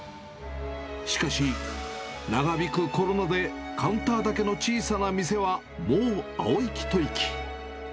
しかし、長引くコロナでカウンターだけの小さな店はもう青息吐息。